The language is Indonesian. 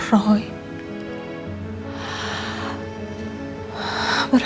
saya sudah menang